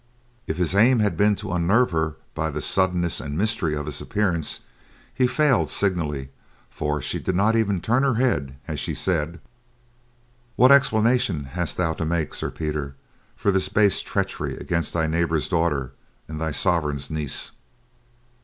If his aim had been to unnerve her by the suddenness and mystery of his appearance, he failed signally, for she did not even turn her head as she said: "What explanation hast thou to make, Sir Peter, for this base treachery against thy neighbor's daughter and thy sovereign's niece?"